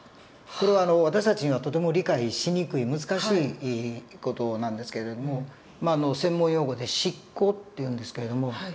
これは私たちにはとても理解しにくい難しい事なんですけれどもまあ専門用語で失行っていうんですけれども。